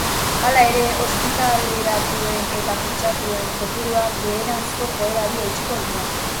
Hala ere, ospitaleratuen eta kutsatuen kopuruak beheranzko joerari eutsi dio.